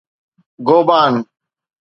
گوبان